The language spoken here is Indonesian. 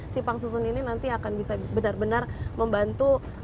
simpang susun ini nanti akan bisa benar benar membantu